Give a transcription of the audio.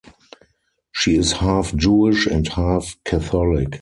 She is half Jewish and half Catholic.